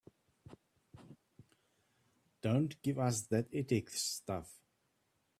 Don't give us that ethics stuff.